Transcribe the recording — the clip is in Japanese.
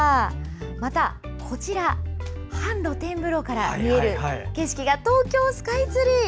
また、こちら、半露天風呂から見える景色が東京スカイツリー！